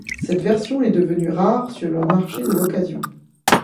Cette version est devenue rare sur le marché de l'occasion.